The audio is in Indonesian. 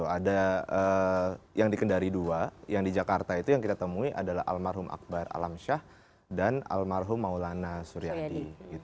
ada yang di kendari dua yang di jakarta itu yang kita temui adalah almarhum akbar alam syah dan almarhum maulana suryadi